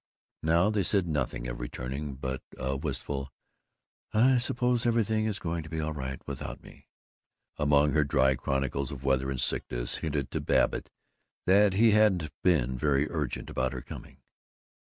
Now they said nothing of returning, but a wistful "I suppose everything is going on all right without me" among her dry chronicles of weather and sicknesses hinted to Babbitt that he hadn't been very urgent about her coming.